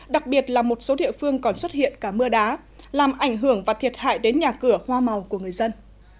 đặc biệt là một số địa phương còn xuất hiện cả mưa đá làm ảnh hưởng và thiệt hại đến nhà cửa hoa màu của người dân